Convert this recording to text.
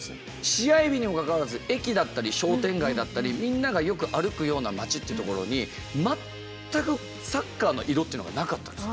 試合日にもかかわらず駅だったり商店街だったりみんながよく歩くような町っていうところに全くサッカーの色っていうのがなかったんです。